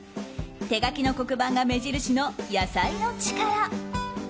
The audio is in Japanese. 手書きの黒板が目印の野菜のちから。